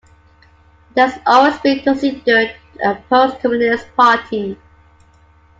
It has always been considered a post-communist party.